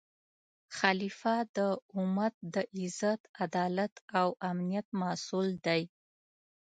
خلیفه د امت د عزت، عدالت او امنیت مسؤل دی